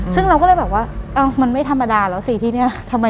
ซึ่งเราก็เลยแบบว่ามันไม่ธรรมดาแล้วสิที่เนี่ย